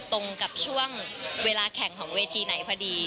ตรงกับช่วงเวลาแข่งของเวทีไหนพอดี